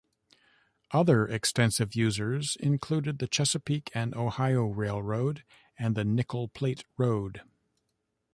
Other extensive users included the Chesapeake and Ohio Railroad and the Nickel Plate Road.